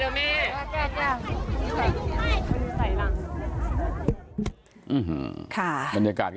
ขอบคุณค่ะขอบคุณค่ะ